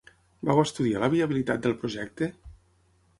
Vau estudiar la viabilitat del projecte?